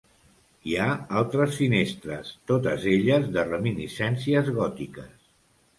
Hi ha altres finestres, totes elles de reminiscències gòtiques.